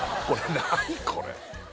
これ何これ？